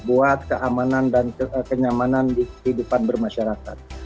buat keamanan dan kenyamanan di kehidupan bermasyarakat